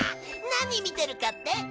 何見てるかって？